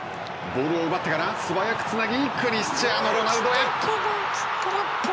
ボールを奪ってから素早くつなぎクリスチアーノ・ロナウドへ。